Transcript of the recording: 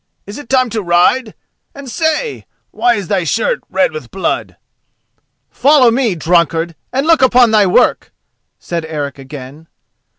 Is it time to ride? and say! why is thy shirt red with blood?" "Follow me, drunkard, and look upon thy work!" Eric said again.